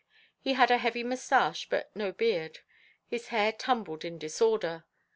He had a heavy moustache, but no beard; his hair tumbled in disorder.